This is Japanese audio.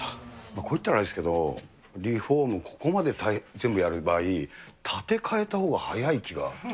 こう言ったらあれですけど、ここまで全部やる場合、建て替えたほうが早い気が。